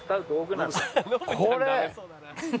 これ？